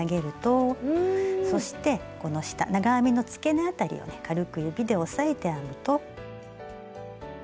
そしてこの下長編みの付け根あたりをね軽く指で押さえて編むと。